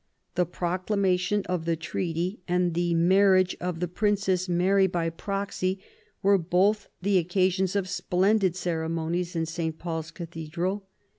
The proclamation of the treaty and the marriage of the Princess Mary by proxy were both the occasions of splendid ceremonies in St. PauFs Cathedral.